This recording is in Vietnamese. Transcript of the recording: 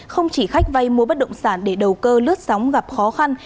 không chỉ khách vay mua bất động sản để đầu cơ lướt sóng gặp khó khăn